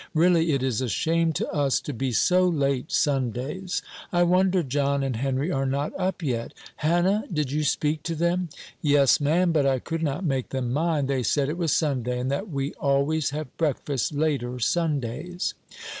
"Really, it is a shame to us to be so late Sundays. I wonder John and Henry are not up yet; Hannah, did you speak to them?" "Yes, ma'am, but I could not make them mind; they said it was Sunday, and that we always have breakfast later Sundays."